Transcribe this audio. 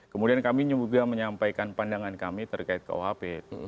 kemudian kami juga menyampaikan pandangan kami terkait ke uhp